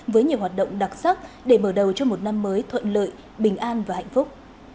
với nhiều hoạt động đặc sắc để mở đầu cho một năm mới thuận lợi bình an và hạnh phúc